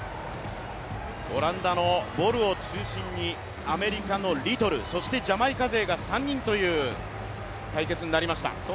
オランダのボルを中心に、アメリカのリトル、そしてジャマイカ勢が３人という対決になりました。